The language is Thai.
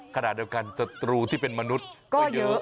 ขณะเดียวกันศัตรูที่เป็นมนุษย์ก็เยอะ